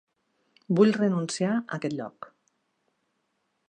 Vull renunciar a aquest lloc.